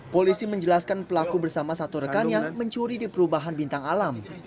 polisi menjelaskan pelaku bersama satu rekannya mencuri di perubahan bintang alam